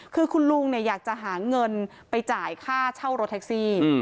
คือคุณลุงอยากจะหาเงินไปจ่ายค่าเช่ารถแท็กซี่